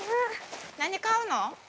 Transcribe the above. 何買うの？